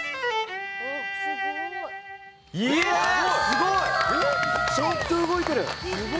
すごい！ちゃんと動いてる！